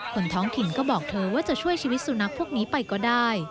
คนท้องถิ่นก็บอกเธอว่าจะช่วยชีวิตสุนัขพวกนี้ไปก็ได้